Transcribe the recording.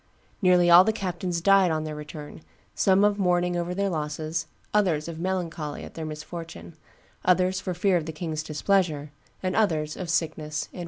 Nearly all the captains died on their return, some of mourning over their losses, others of melancholy at their misfortune, others for fear of the king's displeasure, and others of sickness and weariness."